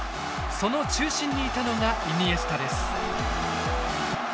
その中心にいたのがイニエスタです。